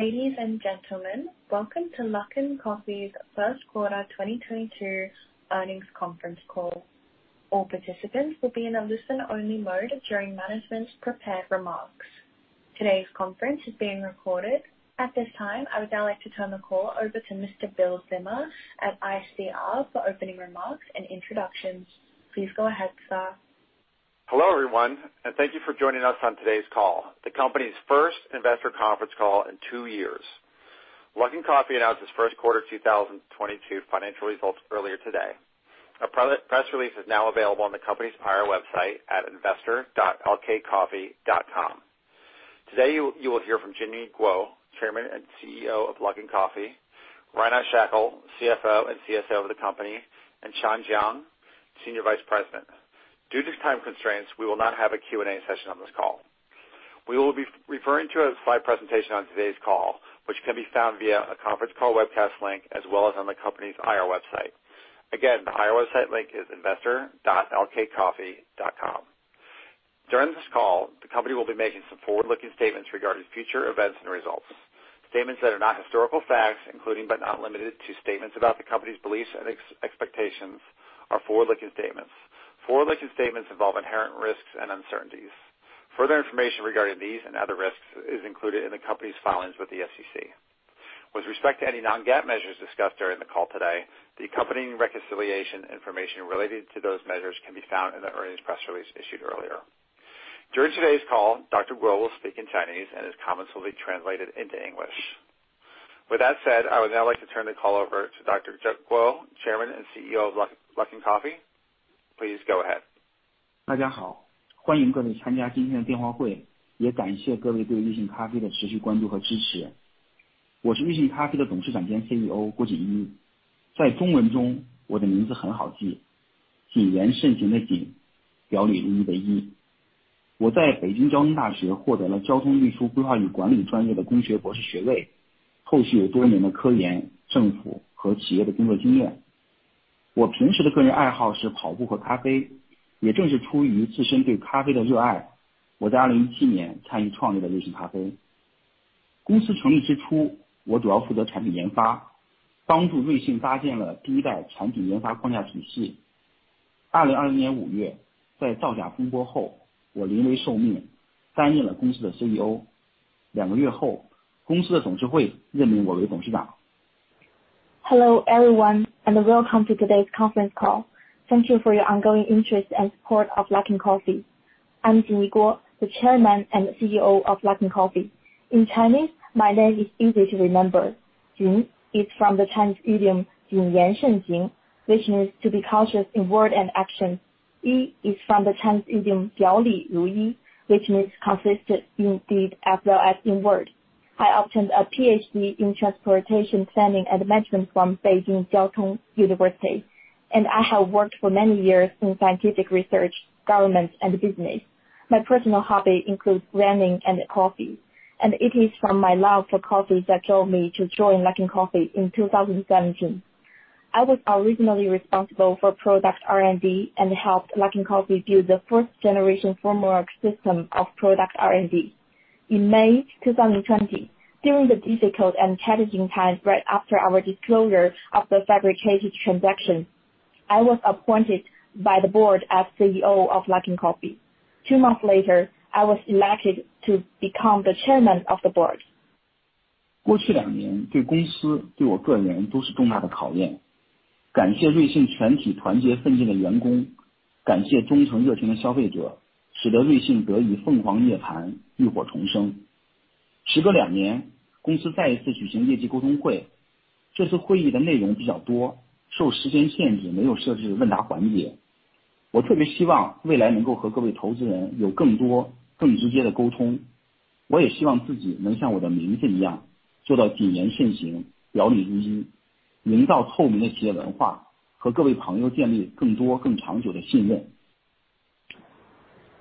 Ladies and gentlemen, welcome to Luckin Coffee's First Quarter 2022 Earnings Conference Call. All participants will be in a listen-only mode during management's prepared remarks. Today's conference is being recorded. At this time, I would now like to turn the call over to Mr. Bill Zima at ICR for opening remarks and introductions. Please go ahead, sir. Hello, everyone, and thank you for joining us on today's call, the company's First Investor Conference Call in two years. Luckin Coffee announced its First Quarter 2022 Financial Results earlier today. A press release is now available on the company's IR website at investor.luckincoffee.com. Today, you will hear from Jingyi Guo, Chairman and CEO of Luckin Coffee, Reinout Schakel, CFO and CSO of the company, and Shan Jiang, Senior Vice President. Due to time constraints, we will not have a Q&A session on this call. We will be referring to a slide presentation on today's call, which can be found via a conference call webcast link as well as on the company's IR website. Again, the IR website link is investor.luckincoffee.com. During this call, the company will be making some forward-looking statements regarding future events and results. Statements that are not historical facts, including but not limited to statements about the company's beliefs and expectations, are forward-looking statements. Forward-looking statements involve inherent risks and uncertainties. Further information regarding these and other risks is included in the company's filings with the SEC. With respect to any non-GAAP measures discussed during the call today, the accompanying reconciliation information related to those measures can be found in the earnings press release issued earlier. During today's call, Dr. Guo will speak in Chinese and his comments will be translated into English. With that said, I would now like to turn the call over to Dr. Guo, Chairman and CEO of Luckin Coffee. Please go ahead. 大家好，欢迎各位参加今天的电话会，也感谢各位对瑞幸咖啡的持续关注和支持。我是瑞幸咖啡的董事长兼CEO郭谨一。在中文中，我的名字很好记，谨言慎行的谨，表里如一的一。我在北京交通大学获得了交通运输规划与管理专业的工学博士学位，后续有多年的科研、政府和企业的工作经验。我平时的个人爱好是跑步和咖啡，也正是出于自身对咖啡的热爱，我在2017年参与创立了瑞幸咖啡。公司成立之初，我主要负责产品研发，帮助瑞幸搭建了第一代产品研发框架体系。2020年五月，在造假风波后，我临危受命，担任了公司的CEO。两个月后，公司的董事会任命我为董事长。Hello, everyone, and welcome to today's conference call. Thank you for your ongoing interest and support of Luckin Coffee. I'm Jingyi Guo, the Chairman and CEO of Luckin Coffee. In Chinese, my name is easy to remember. Jin is from the Chinese idiom, 谨言慎 行, which means to be cautious in word and action. Yi is from the Chinese idiom, 表里如 一, which means consistent in deed as well as in word. I obtained a PhD in transportation planning and management from Beijing Jiaotong University, and I have worked for many years in scientific research, government, and business. My personal hobby includes running and coffee, and it is from my love for coffee that drove me to join Luckin Coffee in 2017. I was originally responsible for product R&D and helped Luckin Coffee build the first generation framework system of product R&D. In May 2020, during the difficult and challenging time right after our disclosure of the fabricated transaction, I was appointed by the board as CEO of Luckin Coffee. Two months later, I was elected to become the Chairman of the board.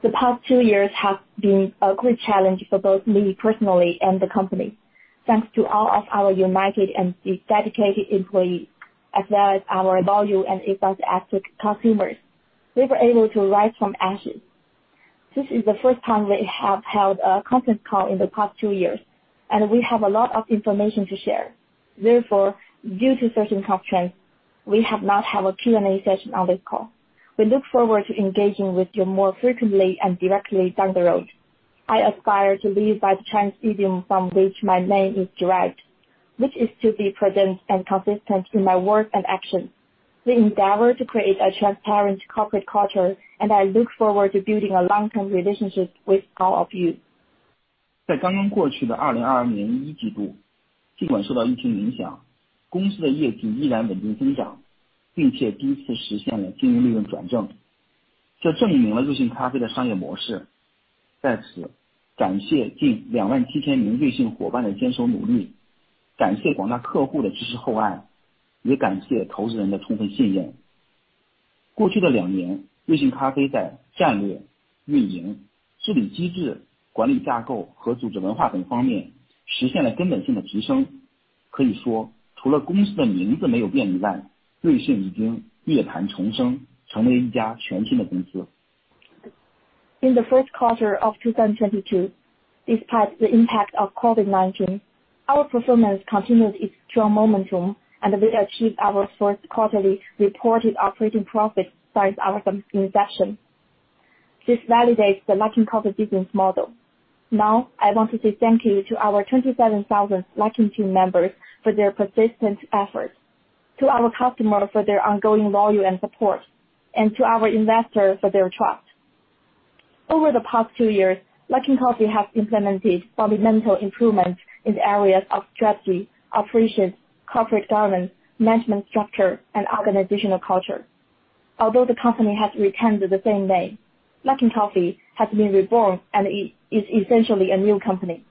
The past two years have been a great challenge for both me personally and the company. Thanks to all of our united and dedicated employees, as well as our loyal and enthusiastic consumers, we were able to rise from ashes. This is the first time we have held a conference call in the past two years, and we have a lot of information to share. Therefore, due to certain constraints, we will not have a Q&A session on this call. We look forward to engaging with you more frequently and directly down the road. I aspire to lead by the Chinese idiom from which my name is derived, which is to be present and consistent in my words and actions. We endeavor to create a transparent corporate culture, and I look forward to building a long-term relationship with all of you. In the first quarter of 2022, despite the impact of COVID-19, our performance continued its strong momentum and we achieved our first quarterly reported operating profit since our inception. This validates the Luckin Coffee business model. Now I want to say thank you to our 27,000 Luckin team members for their persistent efforts, to our customers for their ongoing loyalty and support, and to our investors for their trust. Over the past 2 years, Luckin Coffee has implemented fundamental improvements in the areas of strategy, operations, corporate governance, management structure, and organizational culture. Although the company has retained the same name, Luckin Coffee has been reborn and is essentially a new company.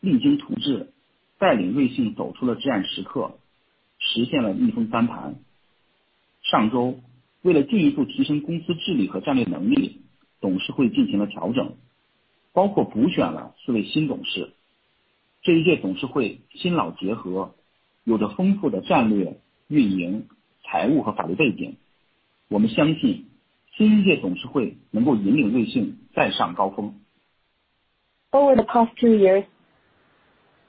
公司的上一届董事会在过去的两年中，励精图治，带领瑞幸走出了至暗时刻，实现了逆风翻盘。上周，为了进一步提升公司治理和战略能力，董事会进行了调整，包括补选了四位新董事。这一届董事会新老结合，有着丰富的战略、运营、财务和法律背景。我们相信新一届董事会能够引领瑞幸再上高峰。Over the past two years,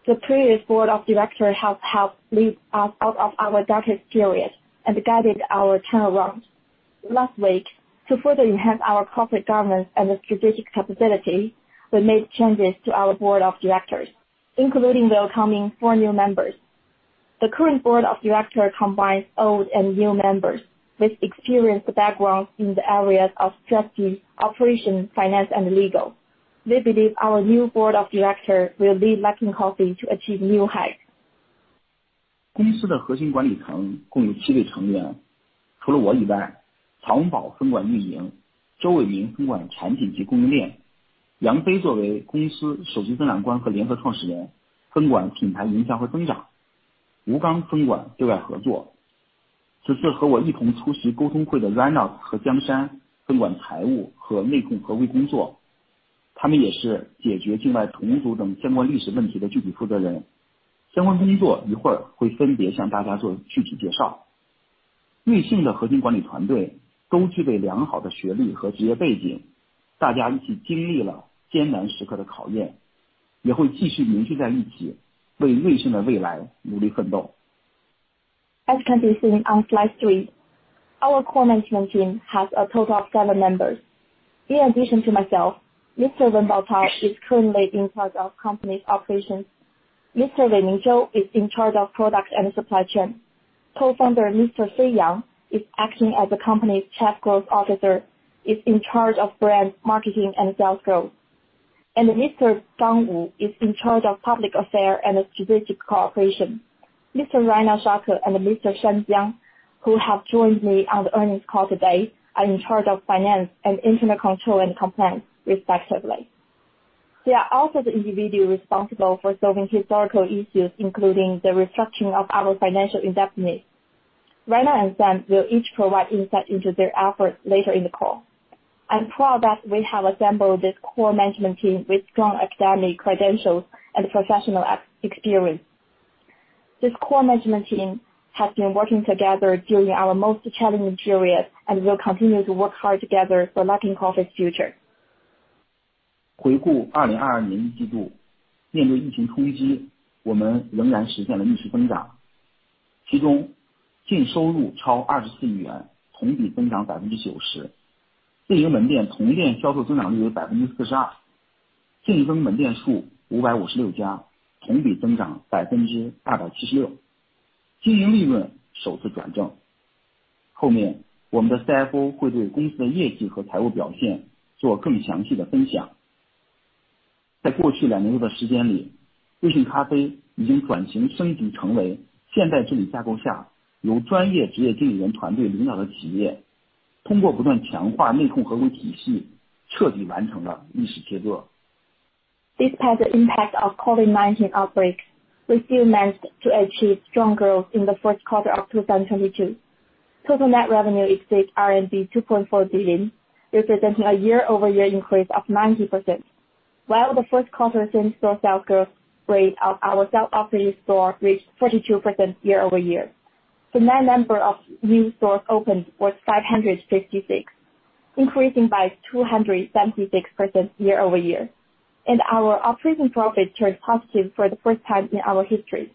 the previous board of directors have helped lead us out of our darkest period and guided our turn around. Last week, to further enhance our corporate governance and strategic capability, we made changes to our board of directors, including welcoming four new members. The current board of directors combines old and new members with experienced backgrounds in the areas of strategy, operations, finance and legal. We believe our new board of directors will lead Luckin Coffee to achieve new heights. 公司的核心管理层共有七位成员。除了我以外，曹文宝分管运营，周伟宁分管产品及供应链。阳飞作为公司首席增长官和联合创始人，分管品牌营销和增长。吴刚分管对外合作。这次和我一同出席沟通会的Reinout和江山，分管财务和内控合规工作。他们也是解决境外重组等相关历史问题的具体负责人。相关工作一会儿会分别向大家做具体介绍。瑞幸的核心管理团队都具备良好的学历和职业背景，大家一起经历了艰难时刻的考验，也会继续凝聚在一起，为瑞幸的未来努力奋斗。As can be seen on slide 3. Our core management team has a total of 7 members. In addition to myself, Mr. Wenbao Cao is currently in charge of company's operations. Mr. Weiming Zhou is in charge of product and supply chain. Co-founder Mr. Fei Yang is acting as the company's Chief Growth Officer, is in charge of brand marketing and sales growth. Mr. Gang Wu is in charge of public affairs and strategic cooperation. Mr. Reinout Schakel and Mr. Shan Jiang, who have joined me on the earnings call today, are in charge of finance and internal control and compliance respectively. They are also the individuals responsible for solving historical issues, including the restructuring of our financial indebtedness. Reinout and Shan will each provide insight into their efforts later in the call. I'm proud that we have assembled this core management team with strong academic credentials and professional experience. This core management team has been working together during our most challenging period and will continue to work hard together for Luckin Coffee's future. Despite the impact of COVID-19 outbreak, we still managed to achieve strong growth in the first quarter of 2022. Total net revenue exceeds 2.4 billion, representing a year-over-year increase of 90%, while the first quarter same store sales growth rate of our self-operated stores reached 42% year-over-year. The net number of new stores opened was 556, increasing by 276% year-over-year, and our operating profit turned positive for the first time in our history.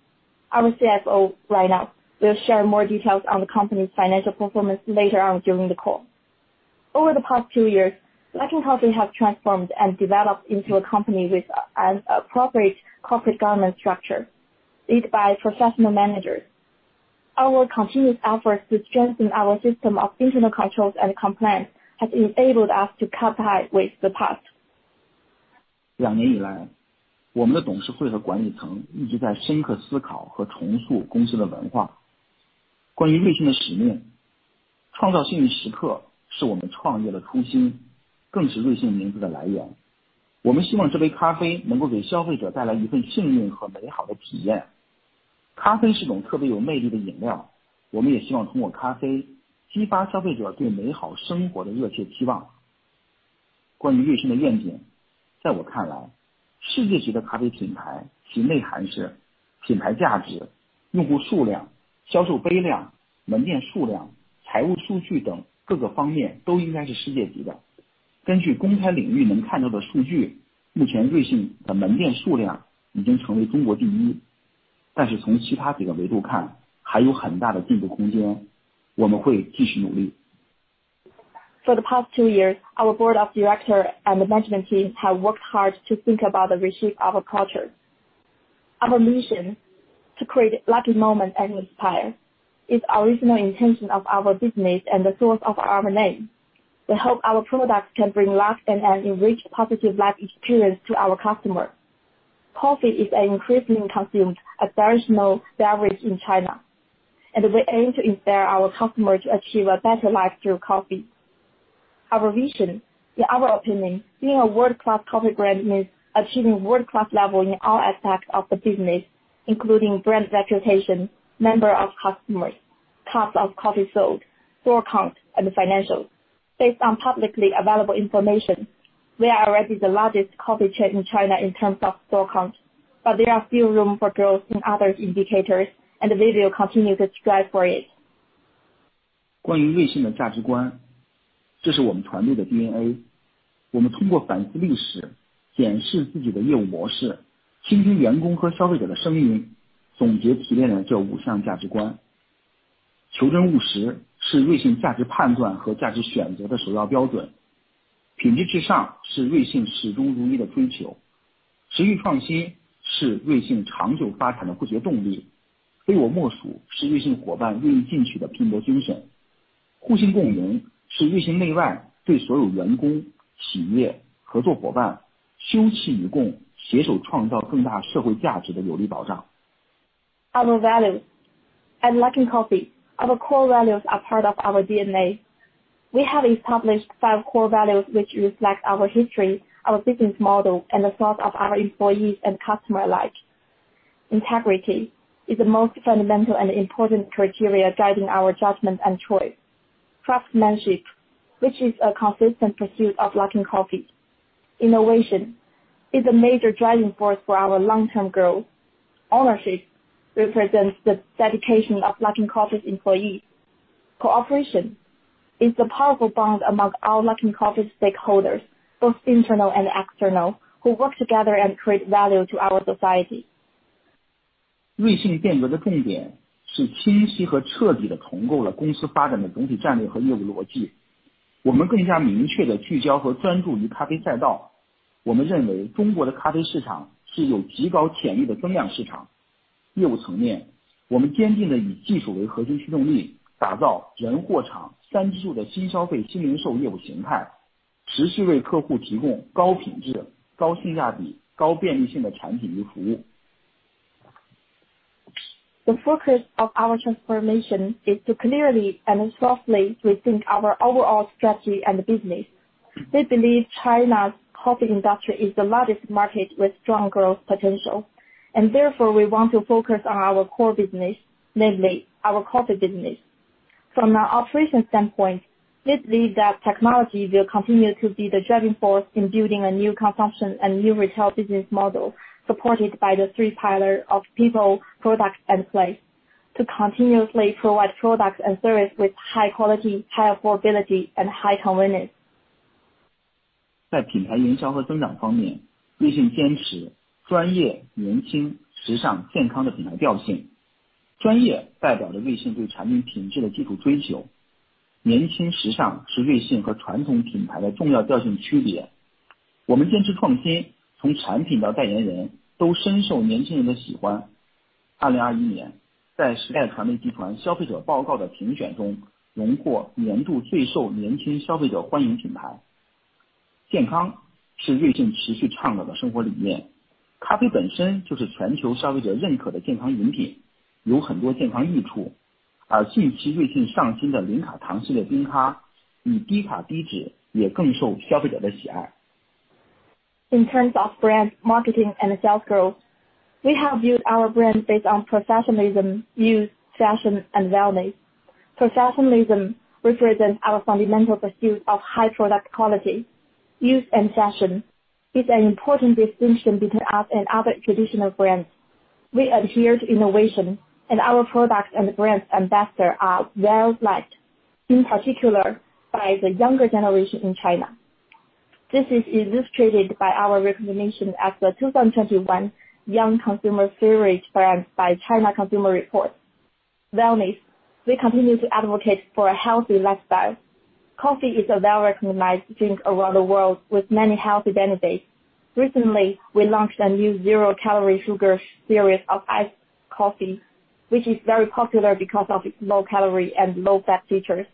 Our CFO, Reinout Schakel, will share more details on the company's financial performance later on during the call. Over the past two years, Luckin Coffee have transformed and developed into a company with an appropriate corporate governance structure, led by professional managers. Our continuous efforts to strengthen our system of internal controls and compliance has enabled us to cut ties with the past. For the past two years, our board of directors and the management team have worked hard to think about the reshape of our culture. Our mission, to create Luckin moment and inspire. This original intention of our business and the source of our name. We hope our products can bring luck and enrich positive life experience to our customers. Coffee is an increasingly consumed experiential beverage in China, and we aim to inspire our customers to achieve a better life through coffee. Our vision, in our opinion, being a world-class coffee brand means achieving world-class level in all aspects of the business, including brand reputation, number of customers, cups of coffee sold, store counts, and financials. Based on publicly available information, we are already the largest coffee chain in China in terms of store counts, but there is still room for growth in other indicators, and we will continue to strive for it. 关于瑞幸的价值观，这是我们团队的DNA。我们通过反思历史，检视自己的业务模式，倾听员工和消费者的声音，总结提炼了这五项价值观。求真务实是瑞幸价值判断和价值选择的首要标准。品质至上是瑞幸始终如一的追求。持续创新是瑞幸长久发展的不竭动力。非我莫属是瑞幸伙伴愿意进取的拼搏精神。互信共赢是瑞幸内外对所有员工、企业、合作伙伴休戚与共，携手创造更大社会价值的有力保障。Our values. At Luckin Coffee, our core values are part of our D&A. We have established five core values, which reflect our history, our business model, and the thoughts of our employees and customer alike. Integrity is the most fundamental and important criteria guiding our judgment and choice. Craftsmanship, which is a consistent pursuit of Luckin Coffee. Innovation is a major driving force for our long term growth. Ownership represents the dedication of Luckin Coffee's employees. Cooperation is the powerful bond among our Luckin Coffee stakeholders, both internal and external, who work together and create value to our society. 瑞幸变革的重点是清晰和彻底地重构了公司发展的总体战略和业务逻辑。我们更加明确地聚焦和专注于咖啡赛道。我们认为中国的咖啡市场是有极高潜力的增量市场。业务层面，我们坚定地以技术为核心驱动力，打造人、货、场三驱动的新消费新零售业务形态，持续为客户提供高品质、高性价比、高便利性的产品与服务。The focus of our transformation is to clearly and thoughtfully rethink our overall strategy and business. We believe China's coffee industry is the largest market with strong growth potential, and therefore we want to focus on our core business, namely our coffee business. From an operation standpoint, we believe that technology will continue to be the driving force in building a new consumption and new retail business model, supported by the three pillars of people, products, and place, to continuously provide products and services with high quality, high affordability, and high convenience. In terms of brand marketing and sales growth, we have built our brand based on professionalism, youth, fashion and wellness. Professionalism represents our fundamental pursuit of high product quality. Youth and fashion is an important distinction between us and other traditional brands. We adhere to innovation, and our products and brand ambassadors are well liked, in particular by the younger generation in China. This is illustrated by our recognition as the 2021 Young Consumer's Favorite Brand by China Consumer Reports. Wellness. We continue to advocate for a healthy lifestyle. Coffee is a well-recognized drink around the world with many health benefits. Recently, we launched a new zero calorie sugar series of iced coffee, which is very popular because of its low calorie and low fat features.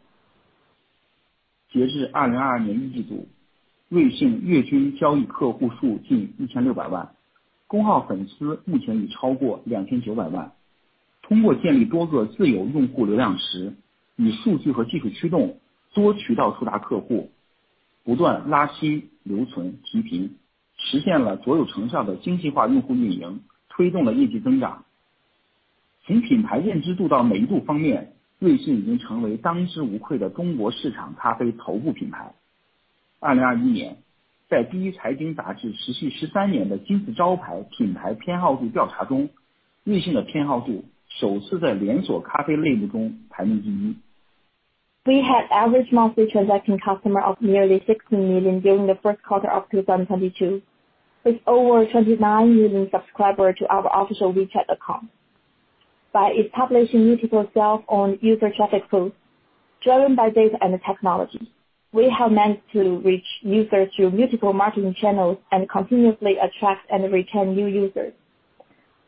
We have average monthly transaction customer of nearly 60 million during the first quarter of 2022, with over 29 million subscriber to our official WeChat account. By establishing multiple sales on user traffic sources, driven by data and technology, we have managed to reach users through multiple marketing channels and continuously attract and retain new users.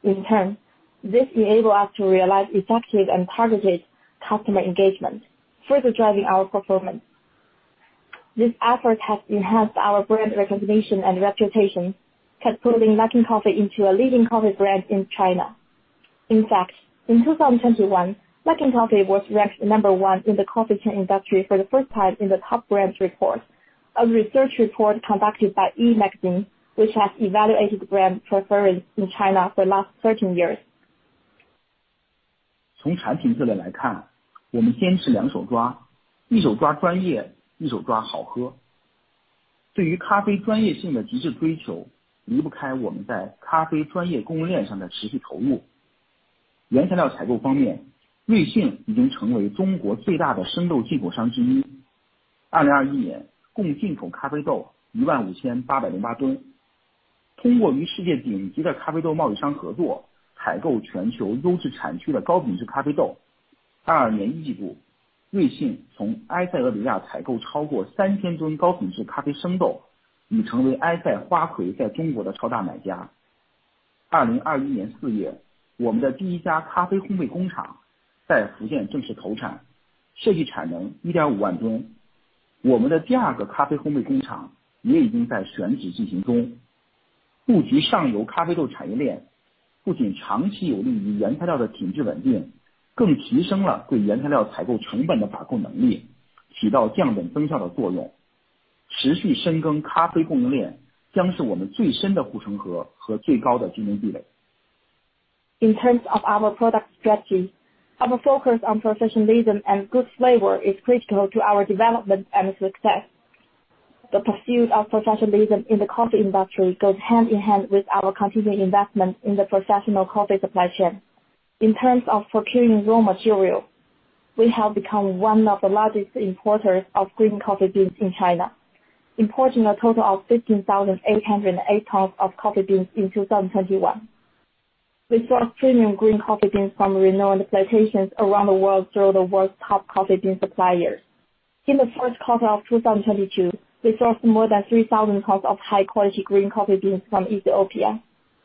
In turn, this enable us to realize effective and targeted customer engagement, further driving our performance. This effort has enhanced our brand recognition and reputation, thus putting Luckin Coffee into a leading coffee brand in China. In fact, in 2021, Luckin Coffee was ranked number one in the coffee chain industry for the first time in the Top Brands report, a research report conducted by Yicai, which has evaluated brand preference in China for the last 13 years. In terms of our product strategy, our focus on professionalism and good flavor is critical to our development and success. The pursuit of professionalism in the coffee industry goes hand in hand with our continued investment in the professional coffee supply chain. In terms of procuring raw material, we have become one of the largest importers of green coffee beans in China, importing a total of 15,808 tons of coffee beans in 2021. We source premium green coffee beans from renowned plantations around the world through the world's top coffee bean suppliers. In the first quarter of 2022, we sourced more than 3,000 tons of high-quality green coffee beans from Ethiopia,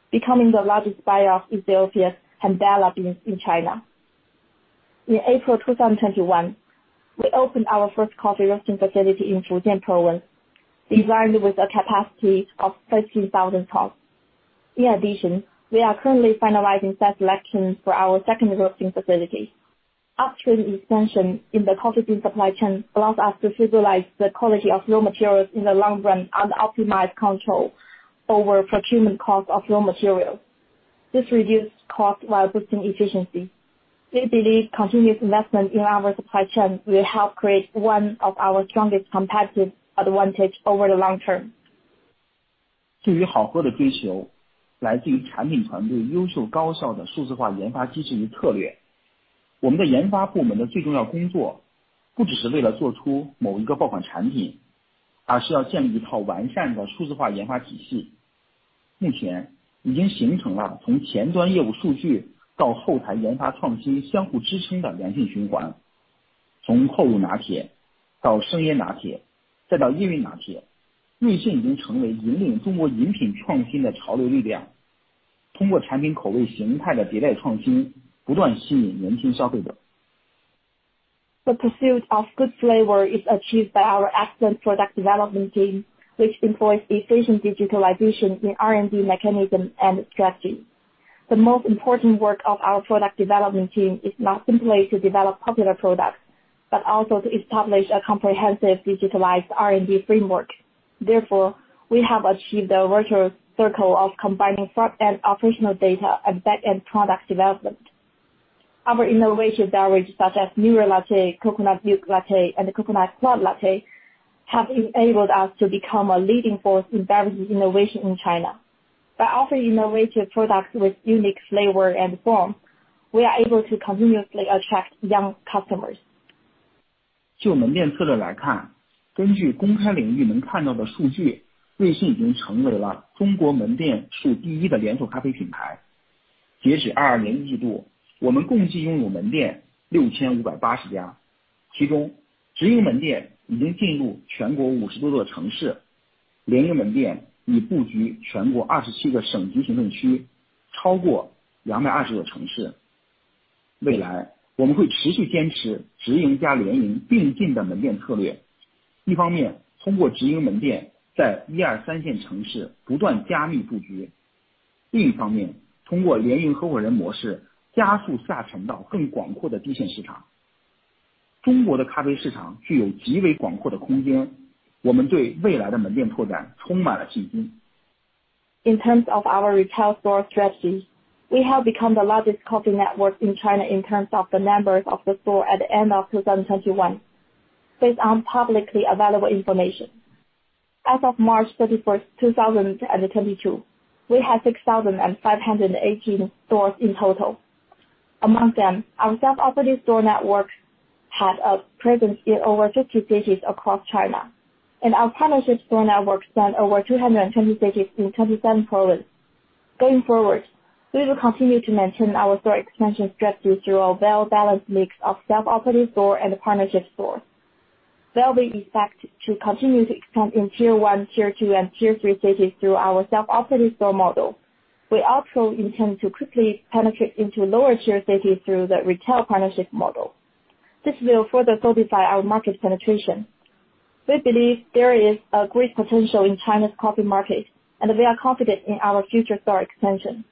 becoming the largest buyer of Ethiopia's Hambela beans in China. In April 2021, we opened our first coffee roasting facility in Fujian Province, designed with a capacity of 13,000 tons. In addition, we are currently finalizing site selections for our second roasting facility. Upstream expansion in the coffee bean supply chain allows us to visualize the quality of raw materials in the long run and optimize control over procurement costs of raw materials. This reduced cost while boosting efficiency. We believe continuous investment in our supply chain will help create one of our strongest competitive advantage over the long term. 对于好喝的追求来自于产品团队优秀高效的数字化研发机制与策略。我们的研发部门的最重要工作不只是为了做出某一个爆款产品，而是要建立一套完善的数字化研发体系。目前已经形成了从前端业务数据到后台研发创新相互支撑的良性循环。从厚乳拿铁到生椰拿铁，再到椰云拿铁，瑞幸已经成为引领中国饮品创新的潮流力量。通过产品口味形态的迭代创新，不断吸引年轻消费者。The pursuit of good flavor is achieved by our excellent product development team, which employs efficient digitalization in R&D mechanism and strategy. The most important work of our product development team is not simply to develop popular products, but also to establish a comprehensive digitalized R&D framework. Therefore, we have achieved a virtuous circle of combining front-end operational data and back-end product development. Our innovative beverages such as Mirror Latte, Coconut Milk Latte, and Coconut Cloud Latte have enabled us to become a leading force in beverages innovation in China. By offering innovative products with unique flavor and form, we are able to continuously attract young customers. In terms of our retail store strategy, we have become the largest coffee network in China in terms of the number of stores at the end of 2021. Based on publicly available information. As of March 31st, 2022, we had 6,518 stores in total. Among them, our self-operated store network had a presence in over 50 cities across China, and our partnership store network spanned over 220 cities in 27 provinces. Going forward, we will continue to maintain our store expansion strategy through a well-balanced mix of self-operated stores and partnership stores. They will be effective to continue to expand in Tier one, Tier two, and Tier three cities through our self-operated store model. We also intend to quickly penetrate into lower tier cities through the retail partnership model. This will further solidify our market penetration. We believe there is a great potential in China's coffee market, and we are confident in our future store expansion.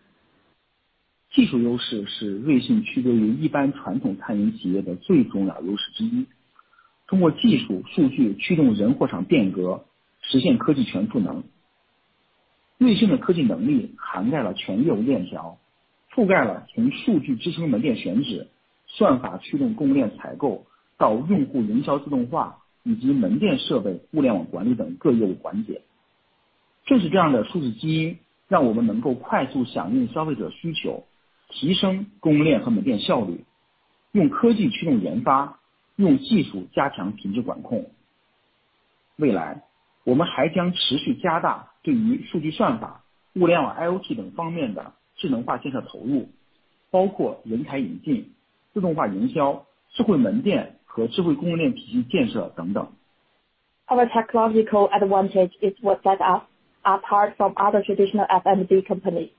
Our technological advantage is what sets us apart from other traditional F&B companies.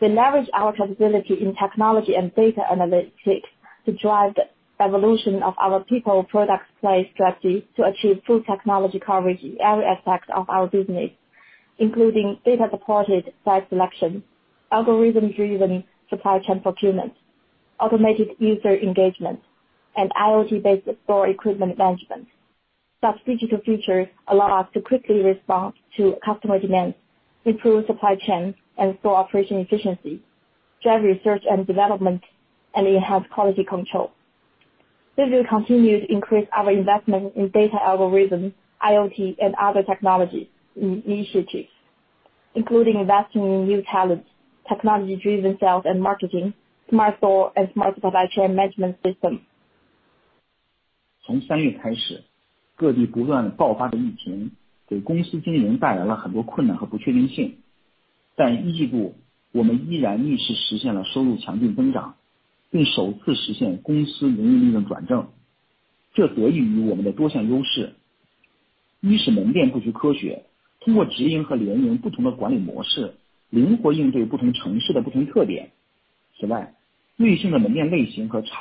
We leverage our capability in technology and data analytics to drive the evolution of our people products place strategy to achieve full technology coverage in every aspect of our business, including data-supported site selection, algorithm-driven supply chain procurement, automated user engagement, and IoT-based store equipment management. Such digital features allow us to quickly respond to customer demands, improve supply chains and store operation efficiency, drive research and development, and enhance quality control. We will continue to increase our investment in data algorithms, IoT and other technologies initiatives, including investing in new talents, technology-driven sales and marketing, smart store and smart supply chain management systems. 从三月开始，各地不断爆发的疫情给公司经营带来了很多困难和不确定性。但一季度我们依然逆势实现了收入强劲增长，并首次实现公司营业利润转正。这得益于我们的多项优势。一是门店布局科学，通过直营和联营不同的管理模式，灵活应对不同城市的不同特点。此外，瑞幸的门店类型和场景结构对疫情也具有天然的抗风险性。分场景看，截至Q1的经营门店结构中，近48%是写字楼门店，12%是大学高校门店。这些封闭的场景，除了封城等最严重的情况外，基本可以保持正常营业。Since March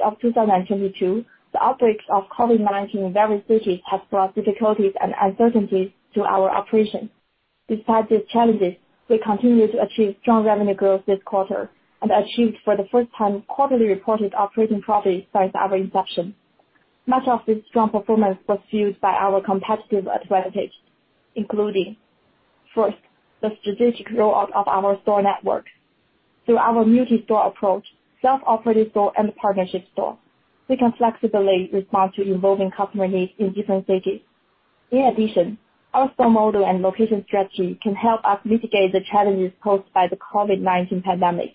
of 2022, the outbreaks of COVID-19 in various cities has brought difficulties and uncertainties to our operations. Despite these challenges, we continue to achieve strong revenue growth this quarter and achieved for the first time quarterly reported operating profit since our inception. Much of this strong performance was fueled by our competitive advantage, including, first, the strategic roll-out of our store network. Through our multi-store approach, self-operated store and partnership store, we can flexibly respond to evolving customer needs in different cities. In addition, our store model and location strategy can help us mitigate the challenges posed by the COVID-19 pandemic.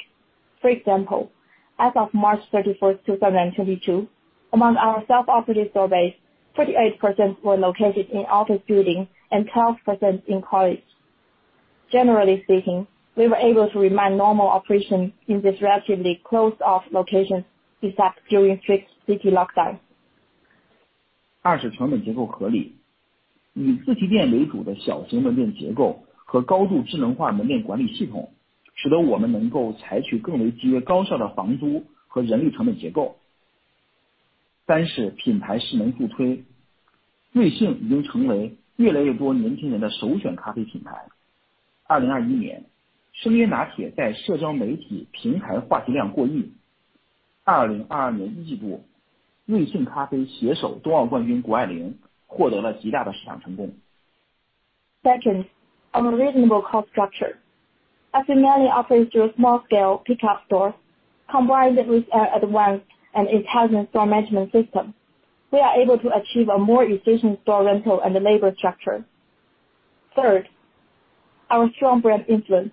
For example, as of March 31st, 2022, among our self-operated store base, 48% were located in office buildings and 12% in college. Generally speaking, we were able to remain normal operations in these relatively closed off locations, except during strict city lockdowns. 二是成本结构合理。以自提店为主的小型门店结构和高度智能化门店管理系统，使得我们能够采取更为节约高效的房租和人力成本结构。三是品牌势能助推。瑞幸已经成为越来越多年轻人的首选咖啡品牌。2021年，声波拿铁在社交媒体平台话题量过亿。2022年一季度，瑞幸咖啡携手冬奥冠军谷爱凌，获得了极大的市场成功。Second, on a reasonable cost structure. As we mainly operate through a small scale pickup store combined with our advanced and intelligent store management system, we are able to achieve a more efficient store rental and labor structure. Third, our strong brand influence.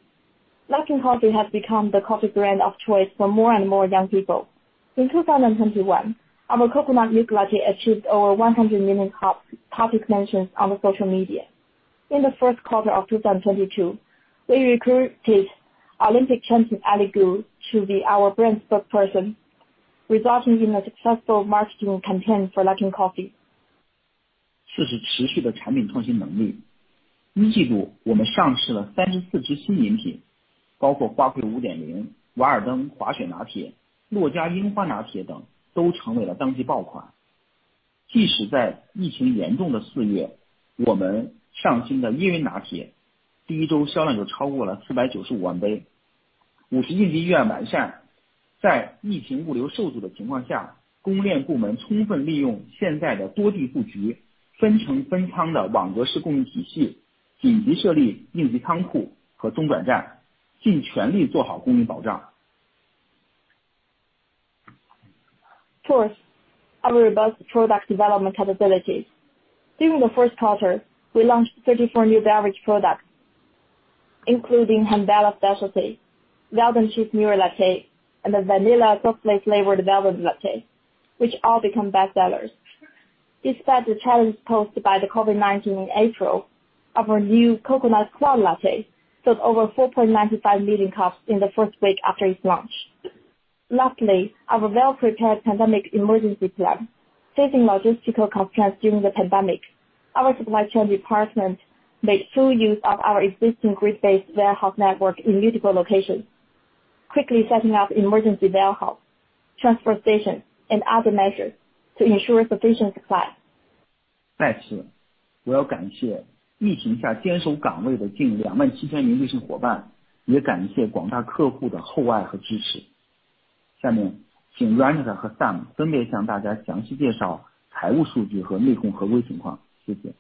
Luckin Coffee has become the coffee brand of choice for more and more young people. In 2021, our Coconut Milk Latte achieved over 100 million hot-topic mentions on social media. In the first quarter of 2022, we recruited Olympic champion Eileen Gu to be our brand spokesperson, resulting in a successful marketing campaign for Luckin Coffee. Fourth, our robust product development capabilities. During the first quarter, we launched 34 new beverage products, including Hambella specialty, Walden Ski Latte, and the Vanilla Waffle flavored Velvet Latte, which all become bestsellers. Despite the challenge posed by the COVID-19 in April, our new Coconut Cloud Latte sold over 4.95 million cups in the first week after its launch. Lastly, our well-prepared pandemic emergency plan. Facing logistical constraints during the pandemic, our supply chain department made full use of our existing grid-based warehouse network in multiple locations, quickly setting up emergency warehouse, transfer station, and other measures to ensure sufficient supply. 再次，我要感谢疫情下坚守岗位的近两万七千名幸运伙伴，也感谢广大客户的厚爱和支持。下面请Reinout和Sam分别向大家详细介绍财务数据和内控合规情况。谢谢。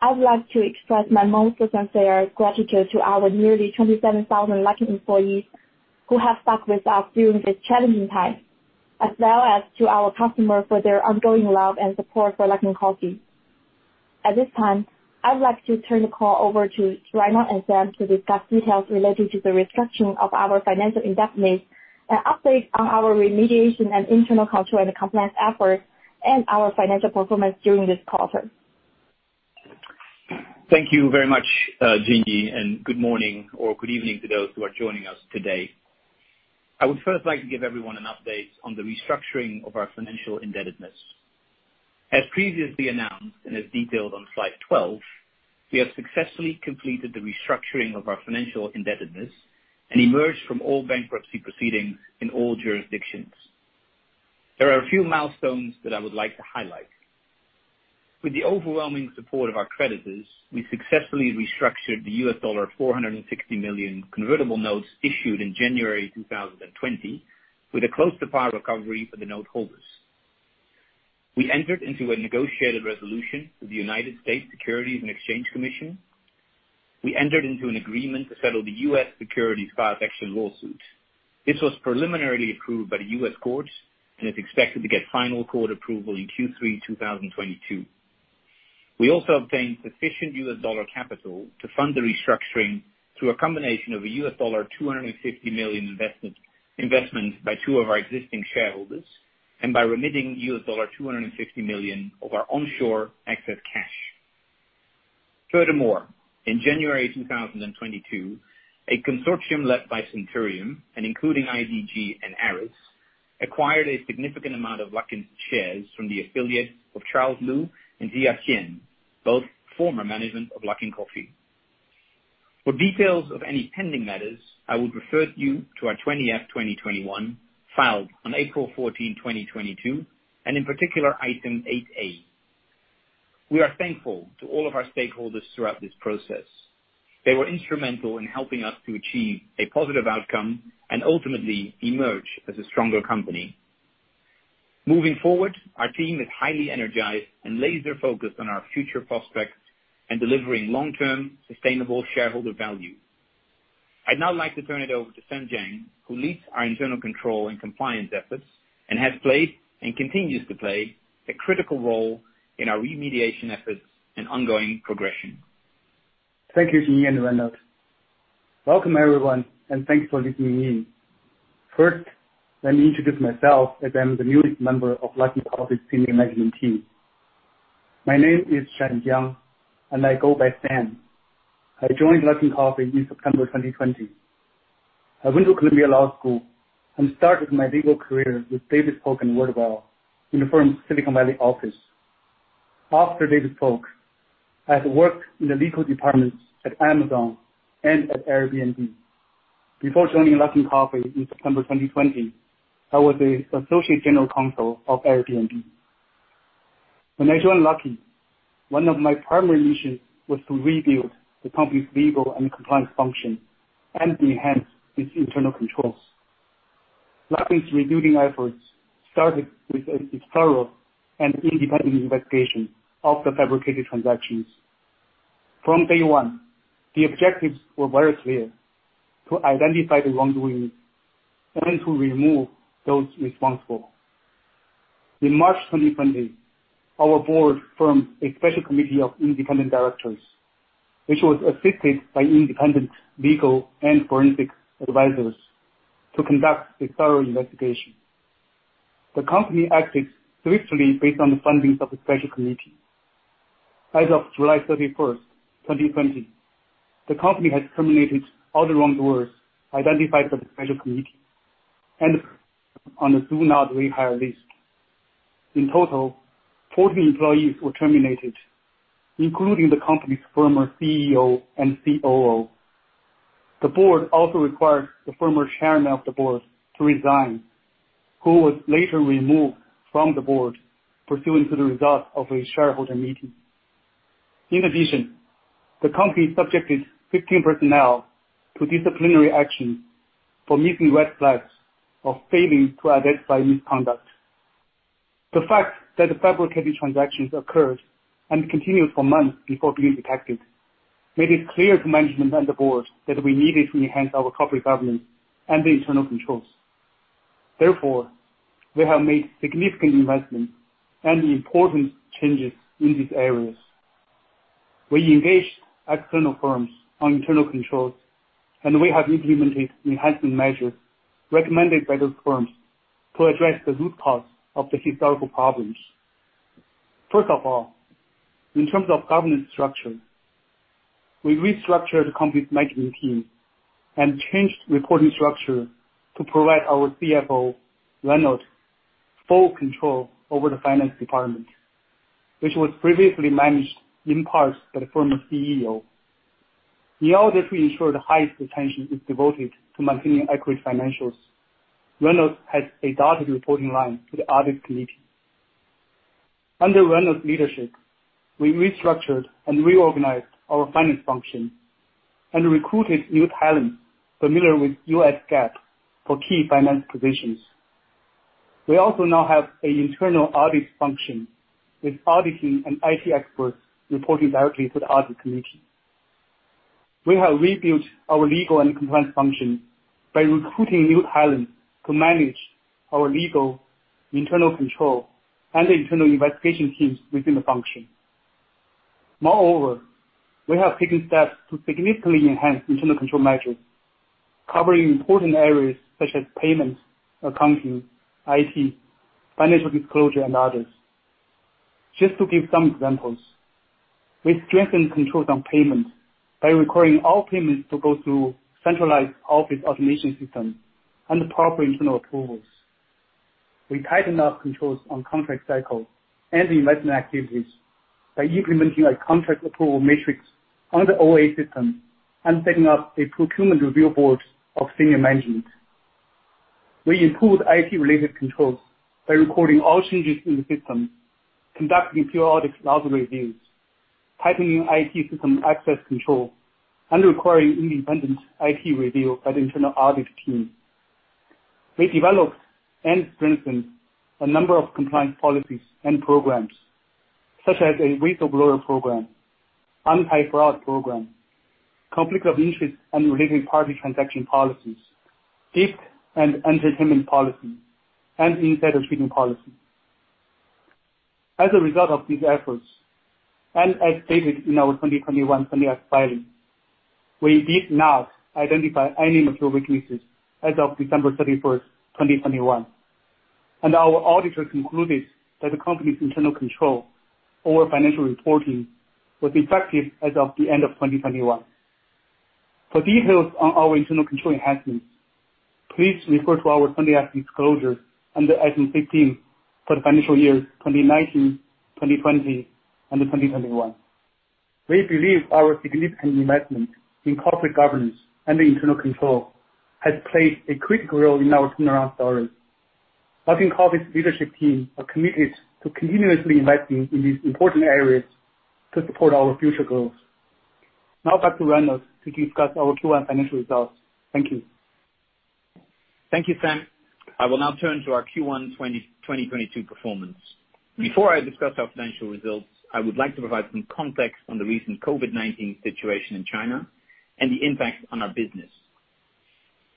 I'd like to express my most sincere gratitude to our nearly 27,000 Luckin employees who have stuck with us during this challenging time, as well as to our customers for their ongoing love and support for Luckin Coffee. At this time, I'd like to turn the call over to Reinout and Sam to discuss details related to the restructuring of our financial indebtedness and updates on our remediation and internal cultural and compliance efforts and our financial performance during this quarter. Thank you very much, Jingyi, and good morning or good evening to those who are joining us today. I would first like to give everyone an update on the restructuring of our financial indebtedness. As previously announced, and as detailed on slide 12, we have successfully completed the restructuring of our financial indebtedness and emerged from all bankruptcy proceedings in all jurisdictions. There are a few milestones that I would like to highlight. With the overwhelming support of our creditors, we successfully restructured the $460 million convertible notes issued in January 2020 with a close to par recovery for the note holders. We entered into a negotiated resolution with the United States Securities and Exchange Commission. We entered into an agreement to settle the U.S. securities class action lawsuit. This was preliminarily approved by the U.S. courts, and is expected to get final court approval in Q3 2022. We also obtained sufficient U.S. dollar capital to fund the restructuring through a combination of a $250 million investment by two of our existing shareholders, and by remitting $250 million of our onshore excess cash. Furthermore, in January 2022, a consortium led by Centurium, and including IDG and Ares, acquired a significant amount of Luckin's shares from the affiliates of Charles Lu and Zhiya Qian, both former management of Luckin Coffee. For details of any pending matters, I would refer you to our 20-F 2021, filed on April 14, 2022, and in particular Item 8.A. We are thankful to all of our stakeholders throughout this process. They were instrumental in helping us to achieve a positive outcome and ultimately emerge as a stronger company. Moving forward, our team is highly energized and laser-focused on our future prospects and delivering long-term sustainable shareholder value. I'd now like to turn it over to Shan Jiang, who leads our internal control and compliance efforts and has played and continues to play a critical role in our remediation efforts and ongoing progression. Thank you, Jingyi and Reinout. Welcome, everyone, and thanks for listening in. First, let me introduce myself as I'm the newest member of Luckin Coffee senior management team. My name is Shan Jiang, and I go by Sam. I joined Luckin Coffee in September 2020. I went to Columbia Law School and started my legal career with Davis Polk & Wardwell in the firm's Silicon Valley office. After Davis Polk, I had worked in the legal departments at Amazon and at Airbnb. Before joining Luckin Coffee in September 2020, I was an associate general counsel of Airbnb. When I joined Luckin, one of my primary missions was to rebuild the company's legal and compliance function and enhance its internal controls. Luckin's rebuilding efforts started with a thorough and independent investigation of the fabricated transactions. From day one, the objectives were very clear: to identify the wrongdoing and to remove those responsible. In March 2020, our board formed a special committee of independent directors, which was assisted by independent legal and forensic advisors to conduct a thorough investigation. The company acted swiftly based on the findings of the special committee. As of July 31, 2020, the company has terminated all the wrongdoers identified by the special committee and on the do not rehire list. In total, 40 employees were terminated, including the company's former CEO and COO. The board also required the former chairman of the board to resign, who was later removed from the board pursuant to the results of a shareholder meeting. In addition, the company subjected 15 personnel to disciplinary action for missing red flags or failing to identify misconduct. The fact that the fabricated transactions occurred and continued for months before being detected made it clear to management and the board that we needed to enhance our corporate governance and internal controls. Therefore, we have made significant investments and important changes in these areas. We engaged external firms on internal controls, and we have implemented enhancement measures recommended by those firms to address the root cause of the historical problems. First of all, in terms of governance structure, we restructured the company's management team and changed reporting structure to provide our CFO, Reinout Schakel, full control over the finance department, which was previously managed in part by the former CEO. In order to ensure the highest attention is devoted to maintaining accurate financials, Reinout Schakel has a dotted reporting line to the audit committee. Under Reinout Schakel's leadership, we restructured and reorganized our finance function and recruited new talent familiar with U.S. GAAP for key finance positions. We also now have an internal audit function, with auditing and IT experts reporting directly to the audit committee. We have rebuilt our legal and compliance function by recruiting new talent to manage our legal, internal control, and internal investigation teams within the function. Moreover, we have taken steps to significantly enhance internal control measures, covering important areas such as payments, accounting, IT, financial disclosure, and others. Just to give some examples, we strengthened controls on payments by requiring all payments to go through centralized office automation system and proper internal approvals. We tightened up controls on contract cycle and investment activities by implementing a contract approval matrix on the OA system and setting up a procurement review board of senior management. We improved IT related controls by recording all changes in the system, conducting periodic log reviews, tightening IT system access control, and requiring independent IT review by the internal audit team. We developed and strengthened a number of compliance policies and programs, such as a whistle-blower program, anti-fraud program, conflict of interest and related party transaction policies, gift and entertainment policy, and insider trading policy. As a result of these efforts, and as stated in our 2021 financial filing, we did not identify any material weaknesses as of December 31, 2021. Our auditors concluded that the company's internal control over financial reporting was effective as of the end of 2021. For details on our internal control enhancements, please refer to our 20-F disclosure under item 15 for the financial years 2019, 2020, and 2021. We believe our significant investment in corporate governance and internal control has played a critical role in our turnaround story. Luckin Coffee's leadership team are committed to continuously investing in these important areas to support our future growth. Now back to Reinout to discuss our Q1 financial results. Thank you. Thank you, Sam. I will now turn to our Q1 2022 performance. Before I discuss our financial results, I would like to provide some context on the recent COVID-19 situation in China and the impact on our business.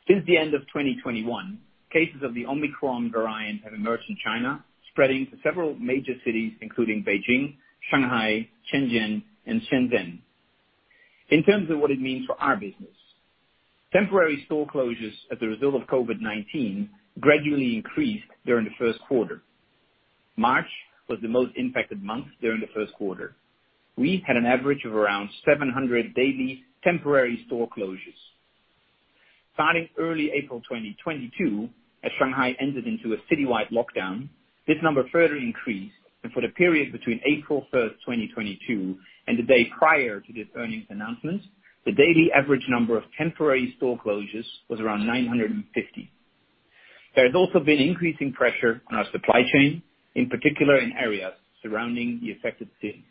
Since the end of 2021, cases of the Omicron variant have emerged in China, spreading to several major cities including Beijing, Shanghai, Shenzhen. In terms of what it means for our business, temporary store closures as a result of COVID-19 gradually increased during the first quarter. March was the most impacted month during the first quarter. We had an average of around 700 daily temporary store closures. Starting early April 2022, as Shanghai entered into a citywide lockdown, this number further increased, and for the period between April 1, 2022 and the day prior to this earnings announcement, the daily average number of temporary store closures was around 950. There has also been increasing pressure on our supply chain, in particular in areas surrounding the affected cities.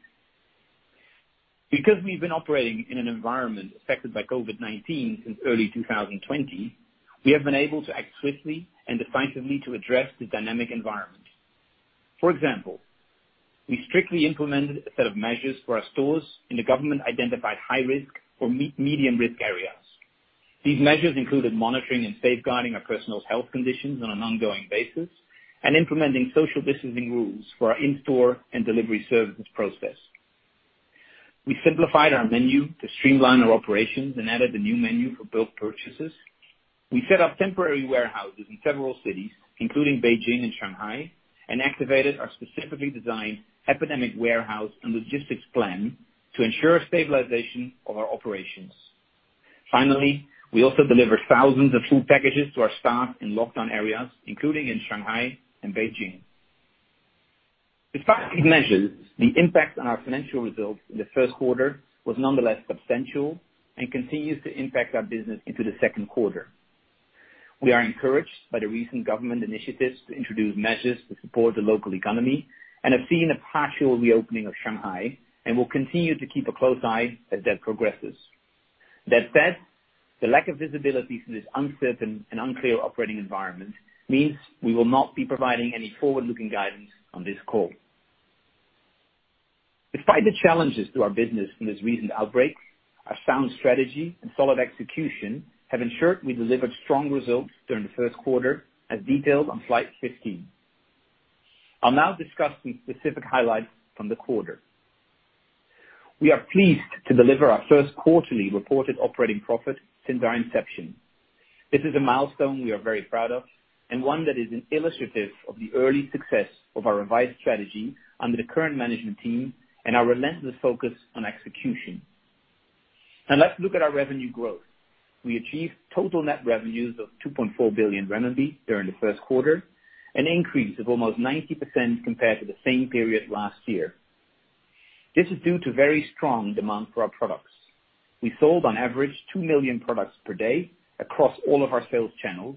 Because we've been operating in an environment affected by COVID-19 since early 2020, we have been able to act swiftly and definitively to address the dynamic environment. For example, we strictly implemented a set of measures for our stores in the government-identified high risk or medium risk areas. These measures included monitoring and safeguarding our personnel's health conditions on an ongoing basis and implementing social distancing rules for our in-store and delivery services process. We simplified our menu to streamline our operations and added a new menu for bulk purchases. We set up temporary warehouses in several cities, including Beijing and Shanghai, and activated our specifically designed epidemic warehouse and logistics plan to ensure stabilization of our operations. Finally, we also delivered thousands of food packages to our staff in lockdown areas, including in Shanghai and Beijing. With practical measures, the impact on our financial results in the first quarter was nonetheless substantial and continues to impact our business into the second quarter. We are encouraged by the recent government initiatives to introduce measures to support the local economy and have seen a partial reopening of Shanghai and will continue to keep a close eye as that progresses. That said, the lack of visibility through this uncertain and unclear operating environment means we will not be providing any forward-looking guidance on this call. Despite the challenges to our business from this recent outbreak, our sound strategy and solid execution have ensured we delivered strong results during the first quarter, as detailed on slide 15. I'll now discuss some specific highlights from the quarter. We are pleased to deliver our first quarterly reported operating profit since our inception. This is a milestone we are very proud of and one that is illustrative of the early success of our revised strategy under the current management team and our relentless focus on execution. Now let's look at our revenue growth. We achieved total net revenues of 2.4 billion renminbi during the first quarter, an increase of almost 90% compared to the same period last year. This is due to very strong demand for our products. We sold on average 2 million products per day across all of our sales channels,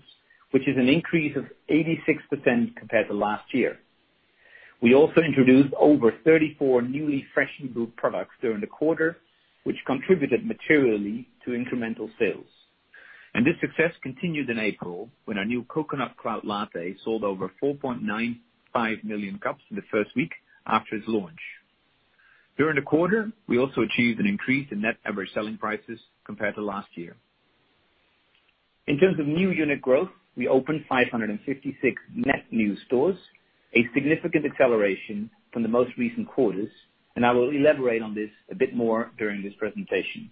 which is an increase of 86% compared to last year. We also introduced over 34 newly freshened group products during the quarter, which contributed materially to incremental sales. This success continued in April when our new Coconut Cloud Latte sold over 4.95 million cups in the first week after its launch. During the quarter, we also achieved an increase in net average selling prices compared to last year. In terms of new unit growth, we opened 556 net new stores, a significant acceleration from the most recent quarters, and I will elaborate on this a bit more during this presentation.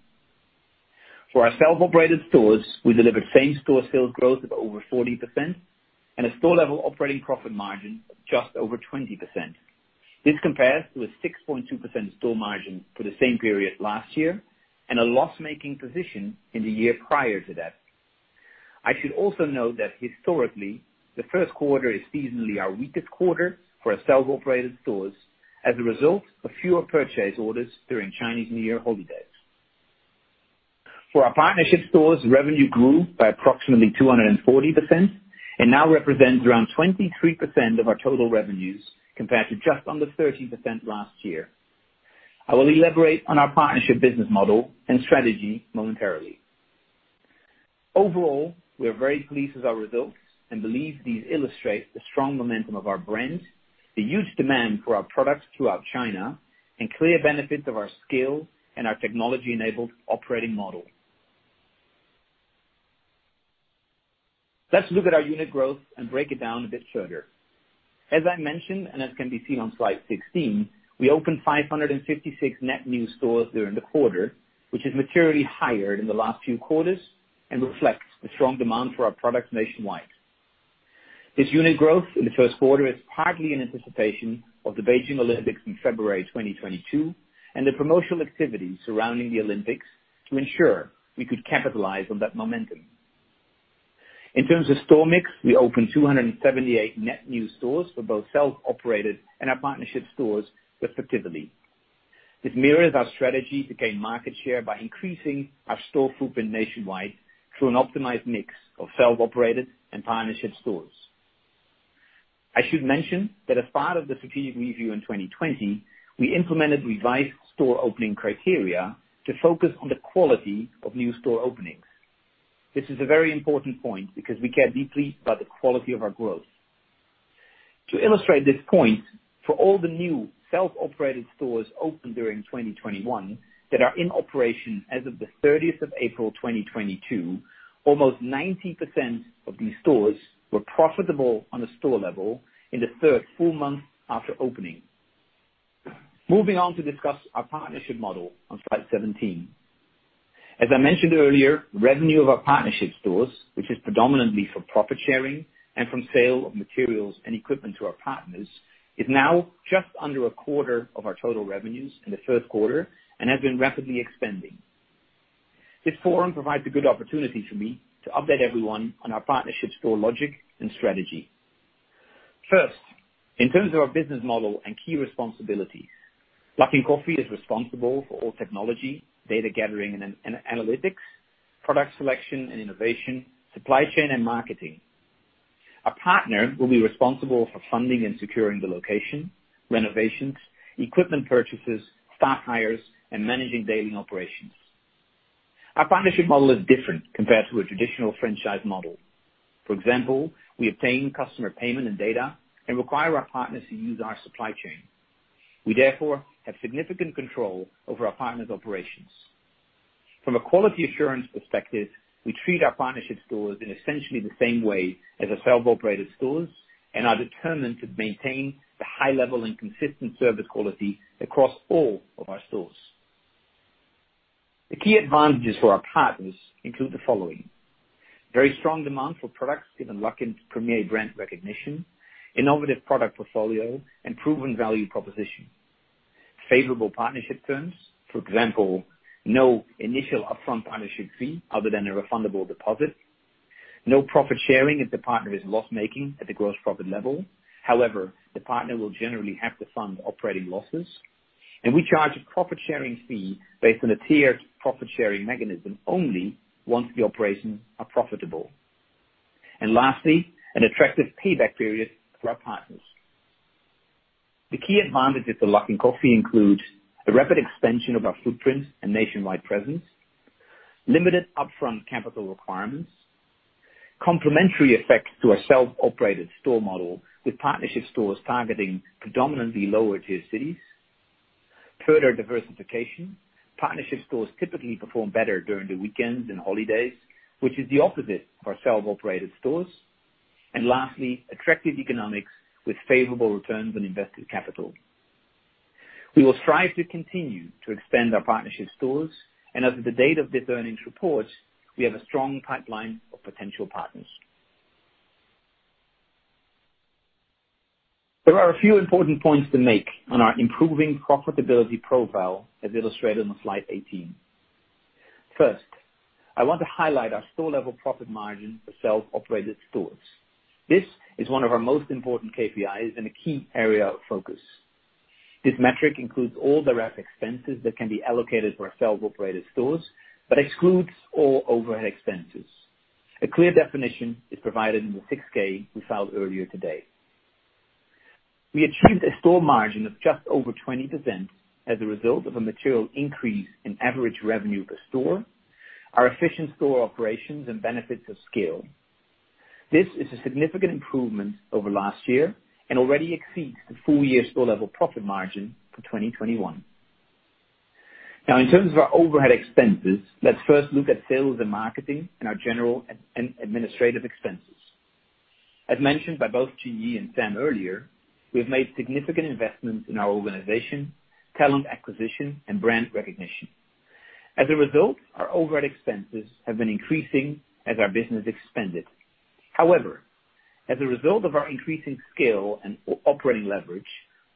For our self-operated stores, we delivered same-store sales growth of over 40% and a store-level operating profit margin of just over 20%. This compares to a 6.2% store margin for the same period last year and a loss-making position in the year prior to that. I should also note that historically, the first quarter is seasonally our weakest quarter for our self-operated stores as a result of fewer purchase orders during Chinese New Year holidays. For our partnership stores, revenue grew by approximately 240% and now represents around 23% of our total revenues, compared to just under 30% last year. I will elaborate on our partnership business model and strategy momentarily. Overall, we are very pleased with our results and believe these illustrate the strong momentum of our brand, the huge demand for our products throughout China, and clear benefits of our scale and our technology-enabled operating model. Let's look at our unit growth and break it down a bit further. As I mentioned, and as can be seen on slide 16, we opened 556 net new stores during the quarter, which is materially higher than the last few quarters and reflects the strong demand for our products nationwide. This unit growth in the first quarter is partly in anticipation of the Beijing Olympics in February 2022 and the promotional activity surrounding the Olympics to ensure we could capitalize on that momentum. In terms of store mix, we opened 278 net new stores for both self-operated and our partnership stores, respectively. This mirrors our strategy to gain market share by increasing our store footprint nationwide through an optimized mix of self-operated and partnership stores. I should mention that as part of the strategic review in 2020, we implemented revised store opening criteria to focus on the quality of new store openings. This is a very important point because we care deeply about the quality of our growth. To illustrate this point, for all the new self-operated stores opened during 2021 that are in operation as of the 30th of April, 2022, almost 90% of these stores were profitable on a store level in the third full month after opening. Moving on to discuss our partnership model on slide 17. As I mentioned earlier, revenue of our partnership stores, which is predominantly for profit sharing and from sale of materials and equipment to our partners, is now just under a quarter of our total revenues in the first quarter and has been rapidly expanding. This forum provides a good opportunity for me to update everyone on our partnership store logic and strategy. First, in terms of our business model and key responsibilities, Luckin Coffee is responsible for all technology, data gathering and analytics, product selection and innovation, supply chain and marketing. Our partner will be responsible for funding and securing the location, renovations, equipment purchases, staff hires, and managing daily operations. Our partnership model is different compared to a traditional franchise model. For example, we obtain customer payment and data and require our partners to use our supply chain. We therefore have significant control over our partners' operations. From a quality assurance perspective, we treat our partnership stores in essentially the same way as our self-operated stores and are determined to maintain the high level and consistent service quality across all of our stores. The key advantages for our partners include the following. Very strong demand for products given Luckin's premier brand recognition, innovative product portfolio, and proven value proposition. Favorable partnership terms. For example, no initial upfront partnership fee other than a refundable deposit. No profit sharing if the partner is loss-making at the gross profit level. However, the partner will generally have to fund operating losses. We charge a profit sharing fee based on a tiered profit sharing mechanism only once the operations are profitable. Lastly, an attractive payback period for our partners. The key advantages to Luckin Coffee include the rapid expansion of our footprint and nationwide presence, limited upfront capital requirements, complementary effect to our self-operated store model, with partnership stores targeting predominantly lower-tier cities. Further diversification. Partnership stores typically perform better during the weekends and holidays, which is the opposite for self-operated stores. Lastly, attractive economics with favorable returns on invested capital. We will strive to continue to expand our partnership stores, and as of the date of this earnings report, we have a strong pipeline of potential partners. There are a few important points to make on our improving profitability profile, as illustrated on slide 18. First, I want to highlight our store level profit margin for self-operated stores. This is one of our most important KPIs and a key area of focus. This metric includes all direct expenses that can be allocated for our self-operated stores, but excludes all overhead expenses. A clear definition is provided in the 6-K we filed earlier today. We achieved a store margin of just over 20% as a result of a material increase in average revenue per store, our efficient store operations and benefits of scale. This is a significant improvement over last year and already exceeds the full-year store-level profit margin for 2021. Now, in terms of our overhead expenses, let's first look at sales and marketing and our general and administrative expenses. As mentioned by both Jingyi and Sam earlier, we have made significant investments in our organization, talent acquisition and brand recognition. As a result, our overhead expenses have been increasing as our business expanded. However, as a result of our increasing scale and operating leverage,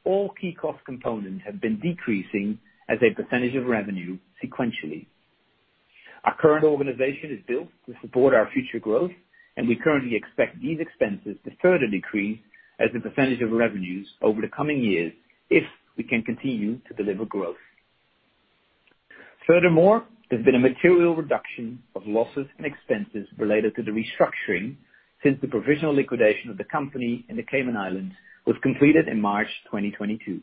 all key cost components have been decreasing as a percentage of revenue sequentially. Our current organization is built to support our future growth, and we currently expect these expenses to further decrease as a percentage of revenues over the coming years if we can continue to deliver growth. Furthermore, there's been a material reduction of losses and expenses related to the restructuring since the provisional liquidation of the company in the Cayman Islands was completed in March 2022.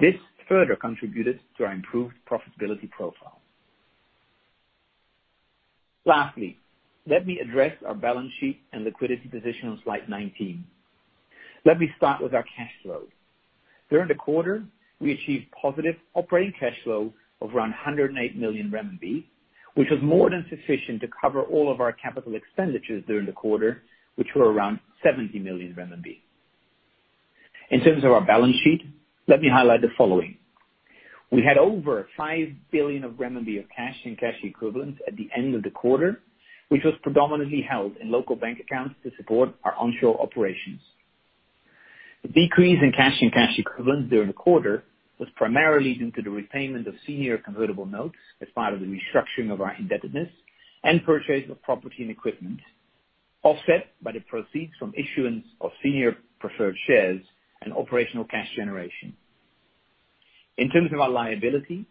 This further contributed to our improved profitability profile. Lastly, let me address our balance sheet and liquidity position on slide 19. Let me start with our cash flow. During the quarter, we achieved positive operating cash flow of around 108 million RMB, which was more than sufficient to cover all of our capital expenditures during the quarter, which were around 70 million RMB. In terms of our balance sheet, let me highlight the following. We had over 5 billion renminbi of cash and cash equivalents at the end of the quarter, which was predominantly held in local bank accounts to support our onshore operations. The decrease in cash and cash equivalents during the quarter was primarily due to the repayment of senior convertible notes as part of the restructuring of our indebtedness and purchase of property and equipment, offset by the proceeds from issuance of senior preferred shares and operational cash generation. In terms of our liability,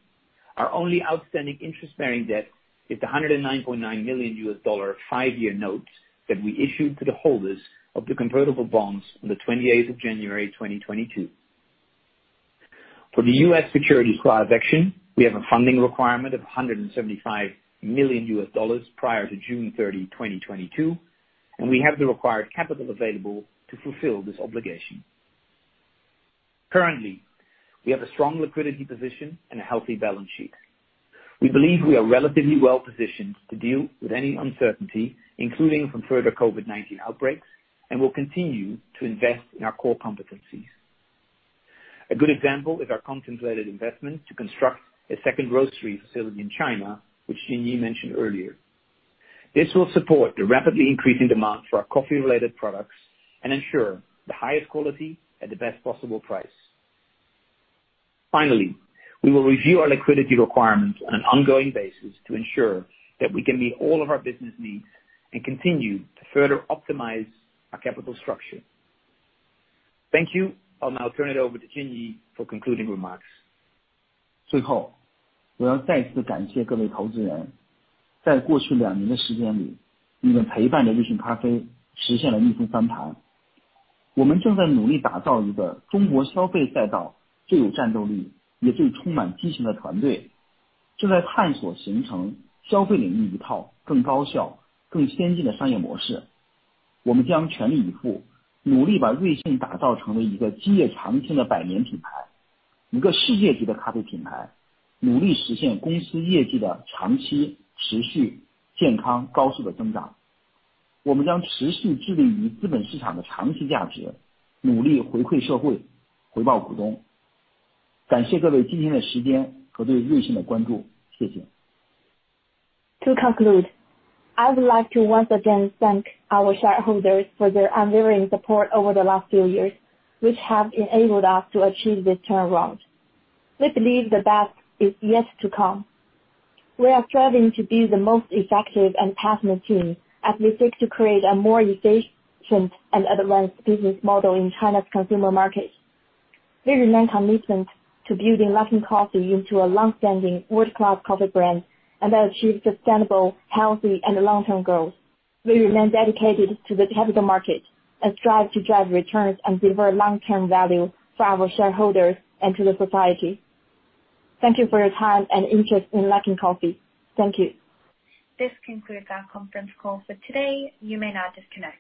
our only outstanding interest-bearing debt is the $109.9 million five-year note that we issued to the holders of the convertible bonds on the 28th of January 2022. For the U.S. securities class action, we have a funding requirement of $175 million prior to June 30, 2022, and we have the required capital available to fulfill this obligation. Currently, we have a strong liquidity position and a healthy balance sheet. We believe we are relatively well positioned to deal with any uncertainty, including from further COVID-19 outbreaks, and will continue to invest in our core competencies. A good example is our contemplated investment to construct a second roasting facility in China, which Jingyi mentioned earlier. This will support the rapidly increasing demand for our coffee-related products and ensure the highest quality at the best possible price. Finally, we will review our liquidity requirements on an ongoing basis to ensure that we can meet all of our business needs and continue to further optimize our capital structure. Thank you. I'll now turn it over to Jingyi for concluding remarks. To conclude, I would like to once again thank our shareholders for their unwavering support over the last few years, which have enabled us to achieve this turnaround. We believe the best is yet to come. We are striving to be the most effective and passionate team as we seek to create a more efficient and advanced business model in China's consumer market. We remain committed to building Luckin Coffee into a long-standing world-class coffee brand and achieve sustainable, healthy, and long-term growth. We remain dedicated to the capital market and strive to drive returns and deliver long-term value for our shareholders and to the society. Thank you for your time and interest in Luckin Coffee. Thank you. This concludes our conference call for today. You may now disconnect.